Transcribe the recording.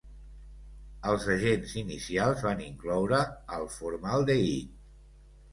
Els agents inicials van incloure el formaldehid.